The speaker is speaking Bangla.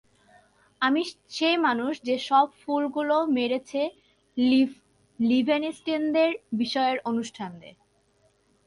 আমি সে মানুষ যে সব ফুল গুলো মেরেছে লিভেনস্টিনদের বিয়ের অনুষ্ঠানের।